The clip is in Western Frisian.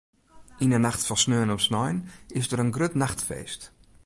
Yn 'e nacht fan sneon op snein is der in grut nachtfeest.